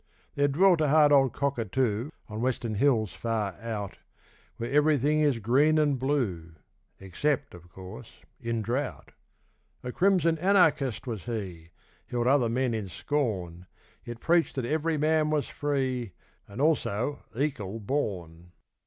There dwelt a hard old cockatoo On western hills far out, Where everything is green and blue, Except, of course, in drought; A crimson Anarchist was he Held other men in scorn Yet preached that ev'ry man was free, And also 'ekal born.